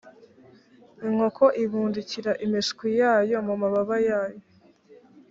inkoko ibundikira imishwi yayo mu mababa yayo